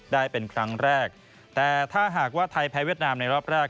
ได้เป็นครั้งแรกแต่ถ้าหากว่าไทยแพ้เวียดนามในรอบแรก